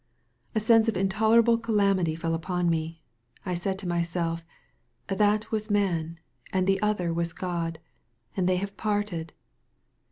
A sense of intolerable calamity fell upon me. I said to myself: "That was Man! And thp other was God! And they have parted